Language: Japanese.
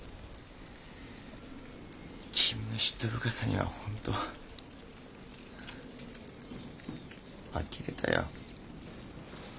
君の嫉妬深さにはほんとあきれたよ。